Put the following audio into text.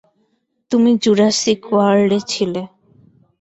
তুমি জুরাসিক ওয়ার্ল্ডে ছিলে।